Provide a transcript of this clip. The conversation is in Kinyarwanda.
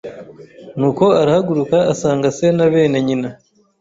Nuko arahaguruka asanga se na bene nyina